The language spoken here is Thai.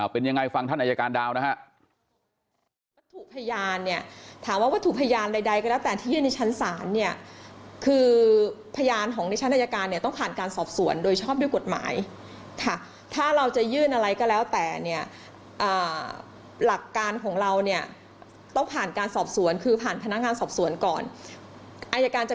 เป็นยังไงฟังท่านอายการดาวนะฮะ